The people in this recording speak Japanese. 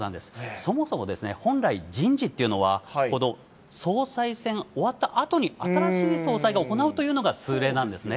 そもそもですね、本来、人事というのは、この総裁選終わったあとに、新しい総裁が行うというのが通例なんですね。